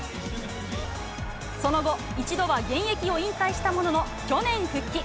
その後、一度は現役を引退したものの、去年復帰。